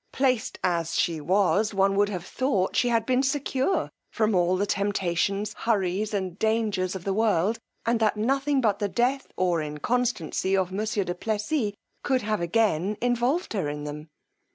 Placed as she was, one would have thought she had been secure from all the temptations, hurries, and dangers of the world, and that nothing but the death or inconstancy of monsieur du Plessis could have again involved her in them.